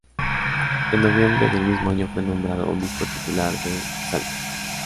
En noviembre del mismo año fue nombrado obispo titular de Salta.